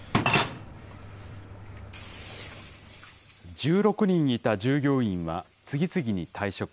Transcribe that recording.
１６人いた従業員は次々に退職。